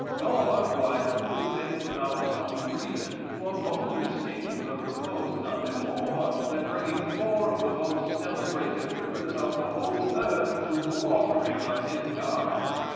Nor do I truly think without some reason, for Moses seems to have proposed nothing more than the bringing four of the most celebrated rivers of the whole earth to the watering of his garden.